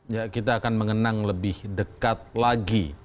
ya kita akan mengenang lebih dekat lagi